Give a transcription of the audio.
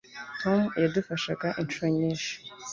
Tom yadufashaga inshuro nyinshi.